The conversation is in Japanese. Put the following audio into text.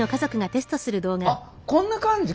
あっこんな感じか。